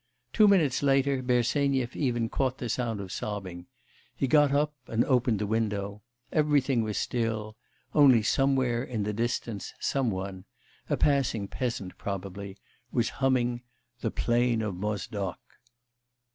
Two minutes later, Bersenyev even caught the sound of sobbing; he got up and opened the window; everything was still, only somewhere in the distance some one a passing peasant, probably was humming 'The Plain of Mozdok.